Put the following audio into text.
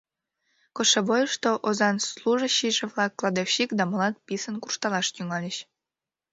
Кошевойышто озан служащийже-влак, кладовщик да молат писын куржталаш тӱҥальыч.